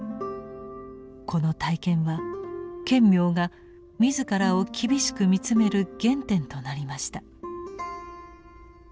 この体験は顕明が自らを厳しく見つめる原点となりました。